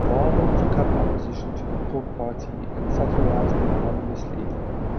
Marvell took up opposition to the 'court party', and satirised them anonymously.